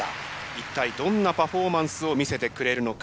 一体どんなパフォーマンスを見せてくれるのか。